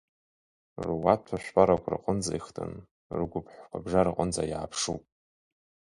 Руаҭәа шәпарақәа рҟынӡа ихтын, ргәыԥҳәқәа абжараҟынӡа иааԥшуп.